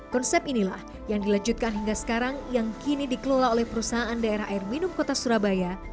konsep inilah yang dilanjutkan hingga sekarang yang kini dikelola oleh perusahaan daerah air minum kota surabaya